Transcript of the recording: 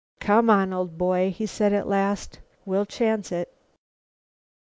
"Come on, old boy," he said at last, "we'll chance it."